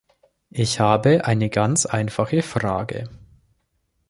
Ich habe eine ganz einfache Frage.